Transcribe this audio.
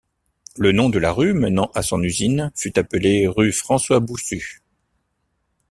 Le nom de la rue menant à son usine fut appelée rue François-Boussus.